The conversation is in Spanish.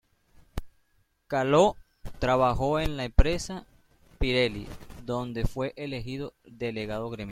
Caló trabajó en la empresa Pirelli, donde fue elegido delegado gremial.